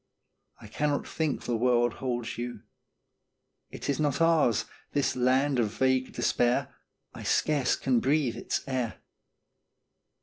I cannot think the world holds you; It is not ours, this Land of Vague Despair I scarce can breathe its air.